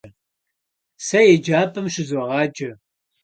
Se yêcap'em şızoğaş'e.